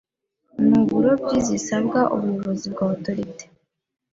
n uburobyi zisabwa ubuyobozi bwa authorities